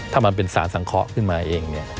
ถ้ามันเป็นสารสังเคราะห์ขึ้นมาเอง